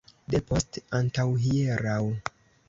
Depost antaŭhieraŭ.